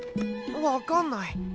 分かんない。